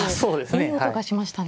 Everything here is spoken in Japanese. いい音がしましたね。